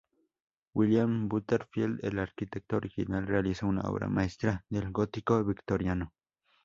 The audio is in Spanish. William Butterfield, el arquitecto original, realizó una obra maestra del Gótico Victoriano.